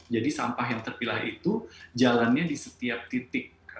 jadi sampah yang terpilah itu jalannya di setiap titik